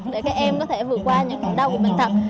để các em có thể vượt qua những đau của bệnh tật